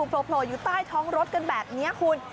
โผล่อยู่ใต้ท้องรถกันแบบนี้คุณ